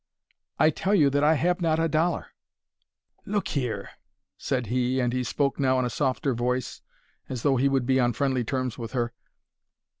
"I tell you that I have not a dollar." "Look here," said he, and he spoke now in a softer voice, as though he would be on friendly terms with her.